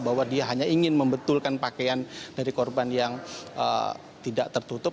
bahwa dia hanya ingin membetulkan pakaian dari korban yang tidak tertutup